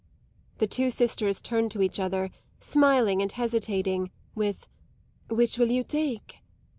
The two sisters turned to each other, smiling and hesitating, with "Which will you take?"